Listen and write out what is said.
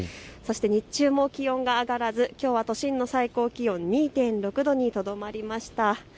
そして日中も気温が上がらずきょう都心の最高気温は２．６度にとどまりました。